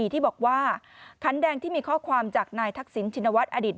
ที่บอกว่าขันแดงที่มีข้อความจากนายทักษิณชินวัฒนอดีต